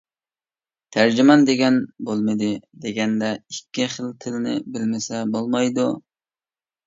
تەرجىمان دېگەن بولمىدى دېگەندە ئىككى خىل تىلنى بىلمىسە بولمايدۇ!